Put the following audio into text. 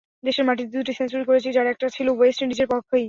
দেশের মাটিতে দুটি সেঞ্চুরি করেছি, যার একটা ছিল ওয়েস্ট ইন্ডিজের বিপক্ষেই।